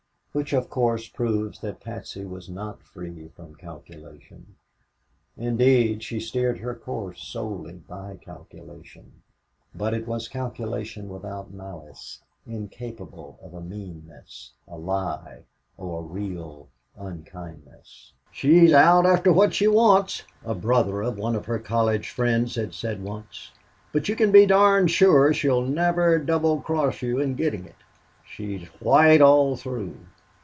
Which of course proves that Patsy was not free from calculation. Indeed, she steered her course solely by calculation, but it was calculation without malice, incapable of a meanness, a lie or a real unkindness. "She's out after what she wants," a brother of one of her college friends had said once, "but you can be darn sure she'll never double cross you in getting it: she's white all through."